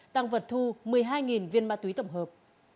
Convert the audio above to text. tăng vật thu một mươi hai viên ma túy tổng hợp